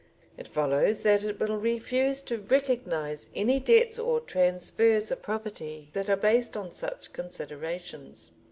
It follows that it will refuse to recognise any debts or transfers of property that are based on such considerations.